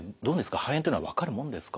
肺炎っていうのは分かるもんですか？